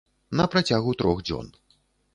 На працягу трох дзён.